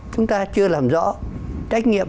chúng ta chưa làm rõ trách nhiệm